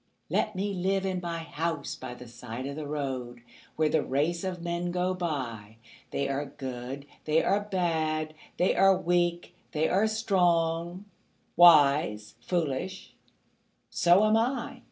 Let me live in my house by the side of the road, Where the race of men go by They are good, they are bad, they are weak, they are strong, Wise, foolish so am I.